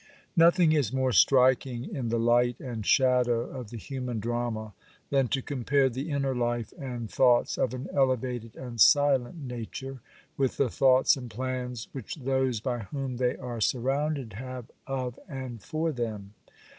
NOTHING is more striking in the light and shadow of the human drama than to compare the inner life and thoughts of an elevated and silent nature, with the thoughts and plans which those by whom they are surrounded have of and for them.